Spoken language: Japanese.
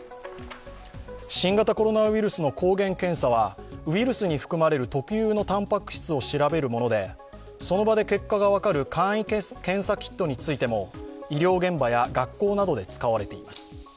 新型コロナウイルスの抗原検査はウイルスに含まれる特有のタンパク質を調べるものでその場で結果が分かる簡易検査キットについても医療現場や学校などで使われています。